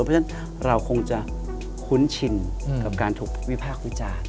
เพราะฉะนั้นเราคงจะคุ้นชินกับการถูกวิพากษ์วิจารณ์